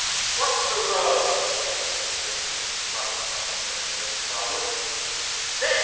"What's the row?" the boys heard in the gruff tones of Jerry's father. "Say!"